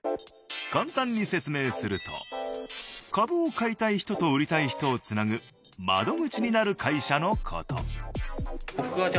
簡単に説明すると株を買いたい人と売りたい人を繋ぐ窓口になる会社の事。